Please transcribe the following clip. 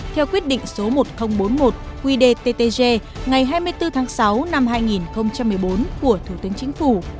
theo quyết định số một nghìn bốn mươi một qdttg ngày hai mươi bốn tháng sáu năm hai nghìn một mươi bốn của thủ tướng chính phủ